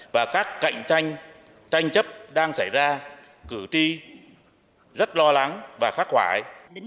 và các cạnh tranh tranh chấp đang xảy ra cử tri rất lo lắng và khắc hoài